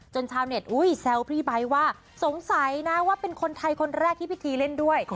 ชาวเน็ตแซวพี่ไบท์ว่าสงสัยนะว่าเป็นคนไทยคนแรกที่พิธีเล่นด้วย